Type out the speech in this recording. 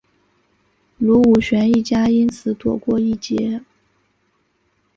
卢武铉一家因此躲过一劫。